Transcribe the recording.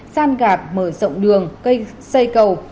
san gạt mở rộng đường cây xây cầu